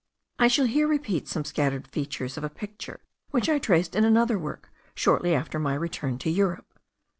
I shall here repeat some scattered features of a picture which I traced in another work shortly after my return to Europe.